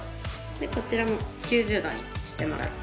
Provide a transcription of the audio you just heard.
こちらも９０度にしてもらって。